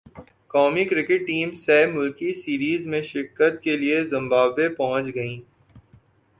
قومی cricket team سہ ملکی سیریز میں شرکت کے لیے زمبابوے پہنچ گئی